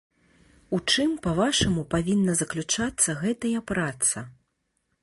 У чым, па-вашаму, павінна заключацца гэтая праца?